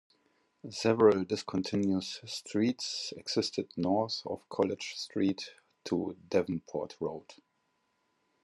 Several discontinuous streets existed north of College Street to Davenport Road.